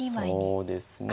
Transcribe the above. そうですね